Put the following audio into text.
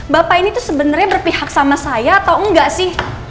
bapak ini tuh sebenarnya berpihak sama saya atau enggak sih